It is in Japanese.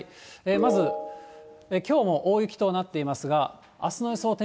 まずきょうも大雪となっていますが、あすの予想